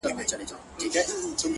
پر وجود څه ډول حالت وو اروا څه ډول وه!!